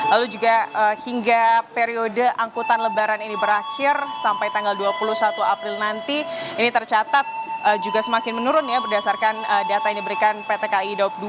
lalu juga hingga periode angkutan lebaran ini berakhir sampai tanggal dua puluh satu april nanti ini tercatat juga semakin menurun ya berdasarkan data yang diberikan pt ki daup dua